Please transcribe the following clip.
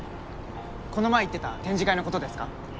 この前言ってた展示会のことですか？